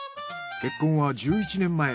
結婚は１１年前。